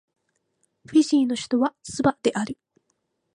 フィジーの首都はスバである